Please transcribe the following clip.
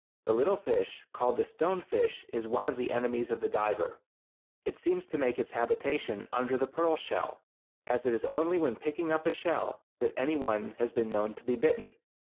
A little fish called the stone fish is one of the enemies of the diver. It seems to make its habitation under the pearl shell, as it is only when picking up a shell that any one has been known to be bitten.